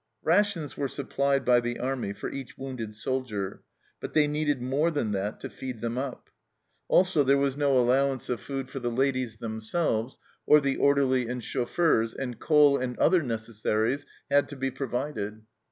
Rations were supplied by the army for each wounded soldier, but they needed more than that to feed them up. Also there was no allowance of THE STEENKERKE HUT 235 food for the ladies themselves, or the orderly and chauffeurs, and coal and other necessaries had to be provided.